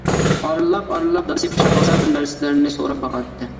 ئارىلاپ-ئارىلاپ دادىسى ئۇچراپ قالسا بىر نەرسىلەرنى سوراپ باقاتتى.